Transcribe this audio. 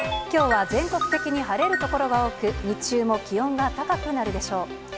きょうは全国的に晴れる所が多く、日中も気温が高くなるでしょう。